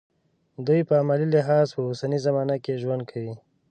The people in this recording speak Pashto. دوی په عملي لحاظ په اوسنۍ زمانه کې ژوند کوي.